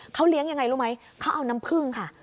เขาเลี้ยงยังไงรู้ไหมเขาเอาน้ำผึ้งค่ะ